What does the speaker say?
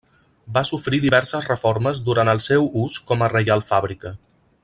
Va sofrir diverses reformes durant el seu ús com a Reial Fàbrica.